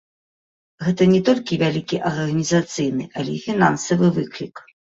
Гэта не толькі вялікі арганізацыйны, але і фінансавы выклік.